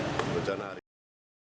perencanaan hari ini juga